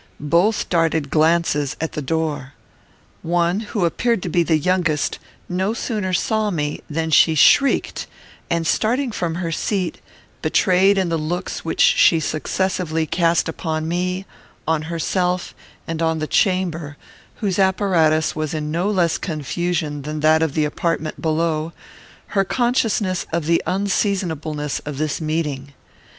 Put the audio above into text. Both darted glances at the door. One, who appeared to be the youngest, no sooner saw me, than she shrieked, and, starting from her seat, betrayed in the looks which she successively cast upon me, on herself, and on the chamber, whose apparatus was in no less confusion than that of the apartment below, her consciousness of the unseasonableness of this meeting.